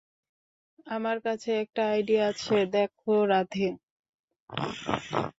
আমার কাছে একটা আইডিয়া আছে, দেখ রাধে?